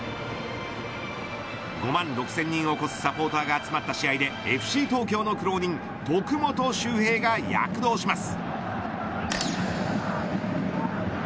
５万６０００人を超すサポーターが集まった試合でＦＣ東京の苦労人徳元悠平が躍動します。